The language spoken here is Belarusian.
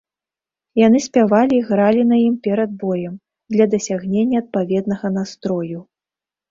Яны спявалі і гралі на ім перад боем, для дасягнення адпаведнага настрою.